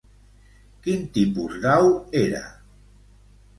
Quin tipus d'au era?